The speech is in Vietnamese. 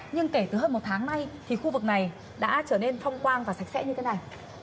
nhưng kể từ hơn một tháng nay thì khu vực này đã trở nên phong quang và sạch sẽ như thế này